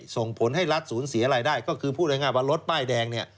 ส่งผลให้รัฐศูนย์เสียรายได้ก็คือพูดง่ายว่ารถป้ายแดงเนี่ย